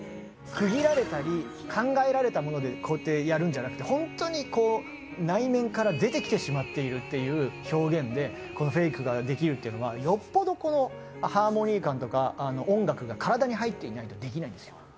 区切られたり、考えられたものでこうやってやるんじゃなくて本当に内面から、出てきてしまっているっていう表現でこのフェイクができるっていうのはよっぽどハーモニー感とか音楽が体に入っていないとできないんです。